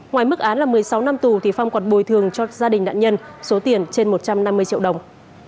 ngoài mức án là một mươi sáu năm tù thì phong còn bồi thường cho gia đình nạn nhân số tiền trên một trăm năm mươi triệu đồng